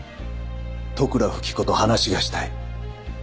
利倉富貴子と話がしたい。